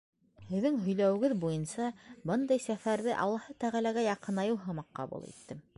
— Һеҙҙең һөйләүегеҙ буйынса, бындай сәфәрҙе Аллаһы Тәғәләгә яҡынайыу һымаҡ ҡабул иттем...